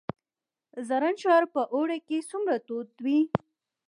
زرنج ښار په اوړي کې څومره تود وي؟